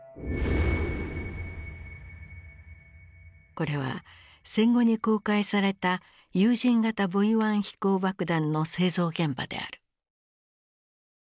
これは戦後に公開された有人型Ｖ１飛行爆弾の製造現場である。